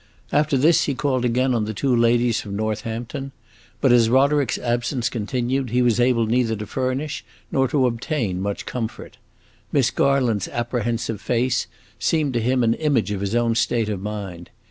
After this he called again on the two ladies from Northampton, but, as Roderick's absence continued, he was able neither to furnish nor to obtain much comfort. Miss Garland's apprehensive face seemed to him an image of his own state of mind.